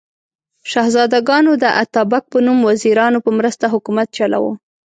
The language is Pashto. شهزادګانو د اتابک په نوم وزیرانو په مرسته حکومت چلاوه.